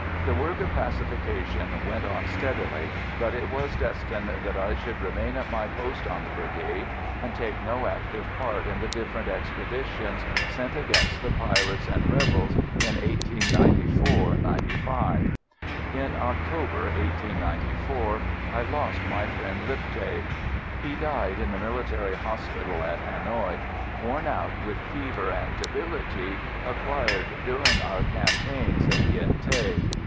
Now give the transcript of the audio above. The work of pacification went on steadily, but it was destined that I should remain at my post on the Brigade, and take no active part in the different expeditions sent against the pirates and rebels in 1894 95. In October, 1894, I lost my friend Lipthay. He died in the military hospital at Hanoï, worn out with fever and debility acquired during our campaigns in Yen Thé.